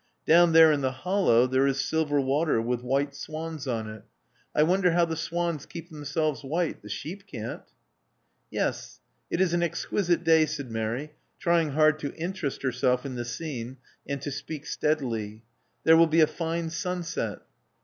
Down there in the hollow there is silver water with white swans on it. I wonder how the swans keep them selves white. The sheep can't." Yes, it is an exquisite day," said Mary, trying hard to interest herself in the scene, and to speak steadily. There will be a fine sunset."